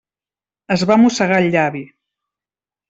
Es va mossegar el llavi.